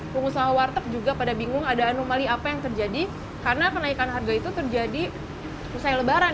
pengusaha warteg juga pada bingung ada anomali apa yang terjadi karena kenaikan harga itu terjadi usai lebaran